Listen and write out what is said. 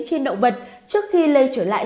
trên động vật trước khi lây trở lại